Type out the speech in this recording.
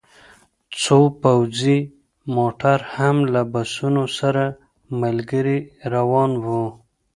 څو پوځي موټر هم له بسونو سره ملګري روان وو